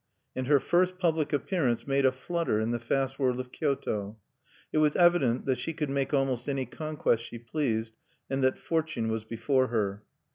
And her first public appearance made a flutter in the fast world of Kyoto. It was evident that she could make almost any conquest she pleased, and that fortune was before her.